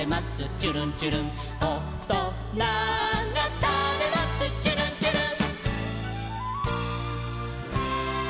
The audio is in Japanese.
ちゅるんちゅるん」「おとながたべますちゅるんちゅるん」